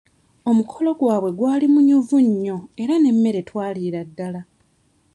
Omukolo gwabwe gwali munyuvu nnyo era n'emmere twaliira ddala.